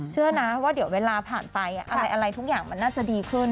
เชื่อนะว่าเดี๋ยวเวลาผ่านไปอะไรทุกอย่างมันน่าจะดีขึ้น